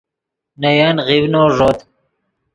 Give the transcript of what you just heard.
نے ین غیڤنو ݱوت